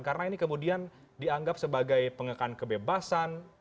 karena ini kemudian dianggap sebagai pengekalan kebebasan